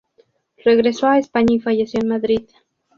Regresó a España y falleció en Madrid.